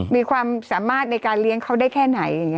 มีความสามารถในการเลี้ยงเขาได้แค่ไหน